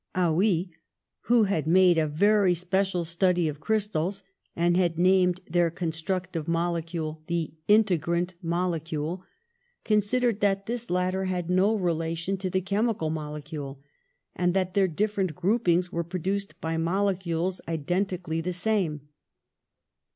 ^ Haiiy, who had made a very special study of crystals, and had named their constructive molecule the integrant molecule, considered that this latter had no relation to the chemical molecule, and that their different groupings were produced by molecules identically the same.